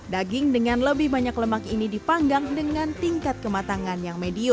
daging dengan lebih banyak lemak ini dipanggang dengan tingkat kematangan yang medium